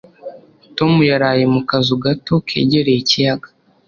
Tom yaraye mu kazu gato kegereye ikiyaga.